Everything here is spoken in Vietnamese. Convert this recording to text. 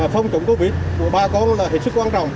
phòng chống covid của bà con là hết sức quan trọng